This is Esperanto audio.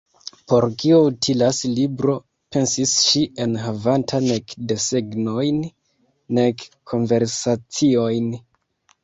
"Por kio utilas libro," pensis ŝi, "enhavanta nek desegnojn nek konversaciojn?"